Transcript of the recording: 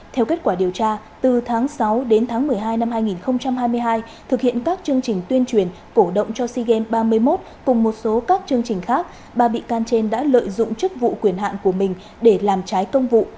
theo kết quả điều tra từ tháng sáu đến tháng một mươi hai năm hai nghìn hai mươi hai thực hiện các chương trình tuyên truyền cổ động cho sea games ba mươi một cùng một số các chương trình khác ba bị can trên đã lợi dụng chức vụ quyền hạn của mình để làm trái công vụ